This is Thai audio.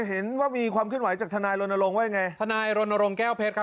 เห็นว่ามีความเคลื่อนไหวจากทนายรณรงค์ว่ายังไงทนายรณรงค์แก้วเพชรครับ